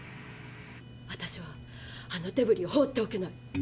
私はあのデブリを放っておけない。